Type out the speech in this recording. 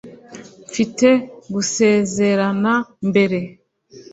mfite gusezerana mbere